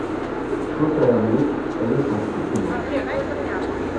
Quant à la montre, elle est en supplément.